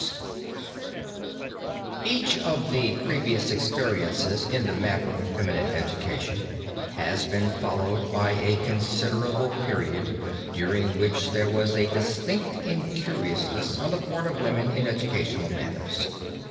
MARK'S, VENICE, 1220) Each of the previous experiences in the matter of feminine education has been followed by a considerable period during which there was a distinct incuriousness on the part of women in educational matters.